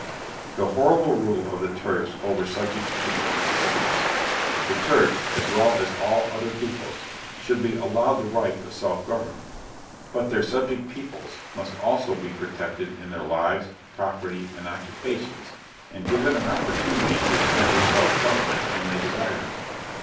_ The horrible rule of the Turks over subject peoples must cease. The Turks, as well as all other peoples, should be allowed the right of self government. But their subject peoples must also be protected in their lives, property, and occupations, and given an opportunity to establish self government when they desire it.